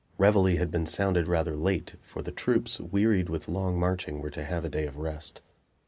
Reveille had been sounded rather late, for the troops, wearied with long marching, were to have a day of rest.